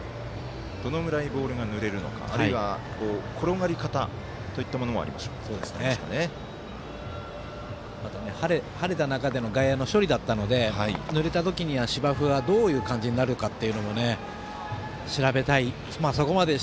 どのぐらいボールがぬれるのかあるいは転がり方といったものがまた、晴れた中での外野の処理だったのでぬれた時には外野の処理がどうなるかって調べたい。